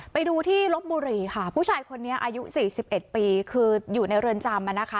ไปดูที่ลบบุรีค่ะผู้ชายคนนี้อายุ๔๑ปีคืออยู่ในเรือนจำนะคะ